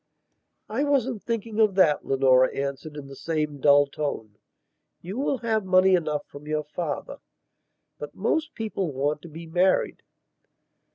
"I wasn't thinking of that," Leonora answered in the same dull tone. "You will have money enough from your father. But most people want to be married."